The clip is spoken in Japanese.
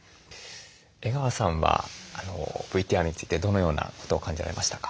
江川さんはＶＴＲについてどのようなことを感じられましたか？